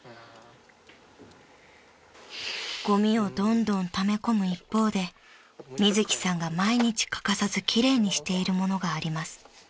［ゴミをどんどんため込む一方でみずきさんが毎日欠かさず奇麗にしているものがあります］